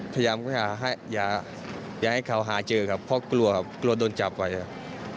พยายามอย่าให้เขาหาเจอครับเพราะกลัวครับกลัวโดนจับไว้ครับ